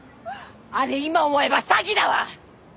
あれ今思えば詐欺だわ。